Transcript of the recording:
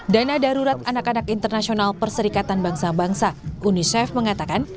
dana darurat anak anak internasional perserikatan bangsa bangsa unicef mengatakan